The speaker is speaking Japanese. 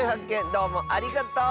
どうもありがとう！